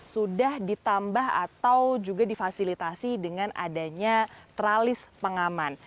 sudah ditambah atau juga difasilitasi dengan adanya tralis pengaman